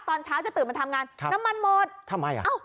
ตอนเช้าจะตื่นมาทำงานน้ำมันหมดทำไมอ่ะเอ้า